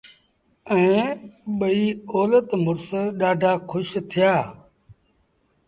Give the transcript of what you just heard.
ائيٚݩ ٻئيٚ اولت مڙس ڏآڍآ کُش ٿيٚآ۔